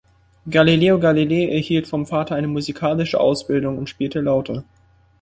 Galileo Galilei erhielt vom Vater eine musikalische Ausbildung und spielte Laute.